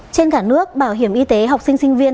trên cả nước bảo hiểm y tế học sinh sinh viên